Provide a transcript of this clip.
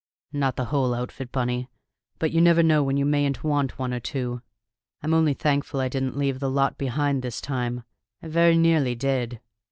"Not the whole outfit, Bunny. But you never know when you mayn't want one or two. I'm only thankful I didn't leave the lot behind this time. I very nearly did."